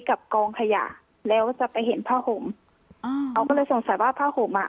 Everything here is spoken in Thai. กับกองขยะแล้วจะไปเห็นผ้าห่มอ่าเขาก็เลยสงสัยว่าผ้าห่มอ่ะ